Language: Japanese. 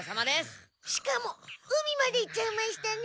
しかも海まで行っちゃいましたね。